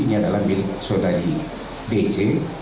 ini adalah milik saudari dj